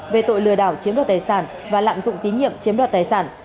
về tội lừa đảo chiếm đoạt tài sản và lạm dụng tín nhiệm chiếm đoạt tài sản